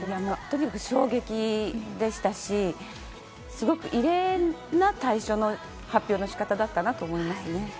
とにかく衝撃でしたし、すごく異例な退所の発表の仕方だったなと思います。